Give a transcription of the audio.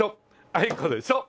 あいこでしょ！